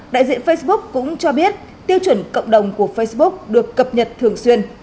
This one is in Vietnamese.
đại diện facebook cũng cho biết tiêu chuẩn cộng đồng của facebook được cập nhật thường xuyên